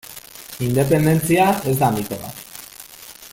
Independentzia ez da mito bat.